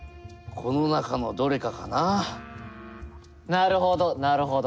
なるほどなるほど。